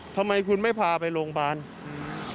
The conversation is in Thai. ทำไมคุณไม่พาไปโรงพยาบาลอืม